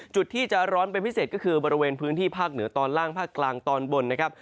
จุดที่จะร้อนเป็นพิเศษก็คือบริเวณพื้นที่ภาคเหนือตอนล่างภาคกลางตอนบนนะครับ